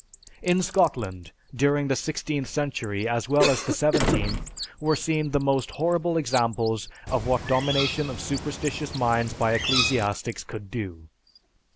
In Scotland, during the sixteenth century, as well as the seventeenth, were seen the most horrible examples of what domination of superstitious minds by ecclesiastics could do.